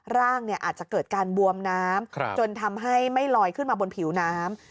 ร่างอาจจะเกิดการบวมน้ำจนทำให้ไม่ลอยขึ้นมาบนผิวน้ำ